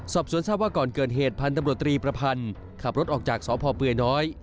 สอบสวนทราบว่าก่อนเกิดเหตุพันธุ์ตำรวจตรีประพันธ์ขับรถออกจากสพเปื่อยน้อย